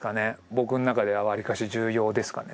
僕のなかではわりかし重要ですかね